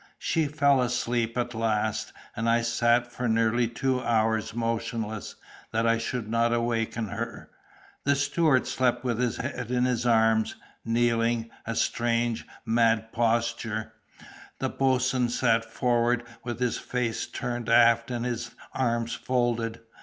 She fell asleep at last, and I sat for nearly two hours motionless, that I should not awaken her. The steward slept with his head in his arms, kneeling—a strange, mad posture. The boatswain sat forward, with his face turned aft and his arms folded.